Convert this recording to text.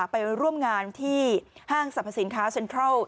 ไปร่วมงานที่ห้างสรรพสินค้าเซ็นทรัล